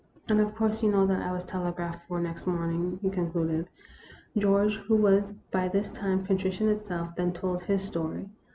" And, of course, you know that I was telegraphed for next morning," he concluded. George, who was by this time contrition itself, then told his story.